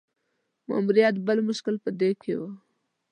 ماموریت بل مشکل په دې کې وو.